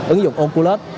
ứng dụng oculus